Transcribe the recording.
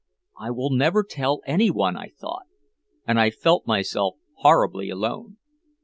"I will never tell anyone," I thought. And I felt myself horribly alone.